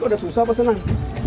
sudah susah pesanan